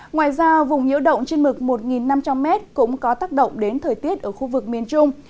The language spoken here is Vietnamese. ngoài ra vùng nhiễu động trên mực một năm trăm linh m cũng có tác động đến thời tiết ở khu vực miền trung